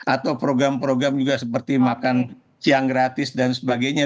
atau program program juga seperti makan siang gratis dan sebagainya